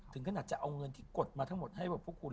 ถึงขนาดจะเอาเงินที่กดมาทั้งหมดให้พวกคุณ